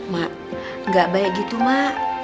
mak nggak banyak gitu mak